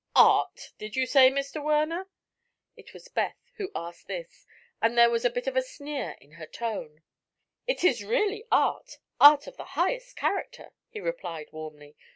"Art, did you say, Mr. Werner?" It was Beth who asked this and there was a bit of a sneer in her tone. "It is really art art of the highest character," he replied warmly.